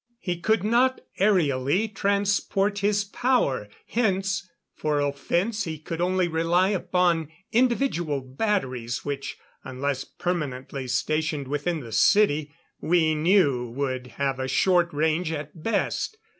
He could not aerially transport his power; hence, for offense he could only rely upon individual batteries which, unless permanently stationed within the city, we knew would have a short range at best.